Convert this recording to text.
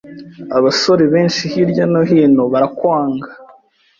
Abasore benshi hirya no hino barakwanga.